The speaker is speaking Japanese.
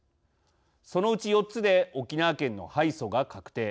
そのうち４つで沖縄県の敗訴が確定。